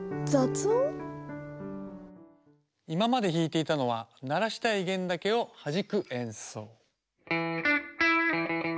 今まで弾いていたのは鳴らしたい弦だけをはじく演奏。